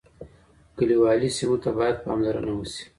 کلیوالي سیمو ته باید پاملرنه وسي.